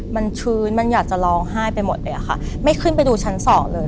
มันชื้นมันอยากจะร้องไห้ไปหมดเลยอะค่ะไม่ขึ้นไปดูชั้นสองเลย